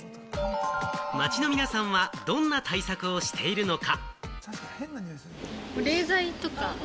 街の皆さんは、どんな対策をしているのか。